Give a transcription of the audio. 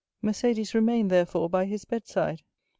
Mercédès remained, therefore, by his bedside, and M.